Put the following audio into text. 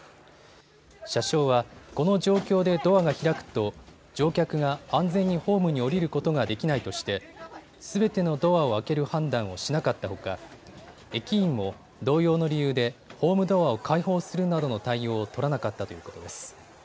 車掌はこの状況でドアが開くと乗客が安全にホームに下りることができないとしてすべてのドアを開ける判断をしなかったほか駅員も同様の理由でホームドアを開放するなどの対応を取らなかったということです。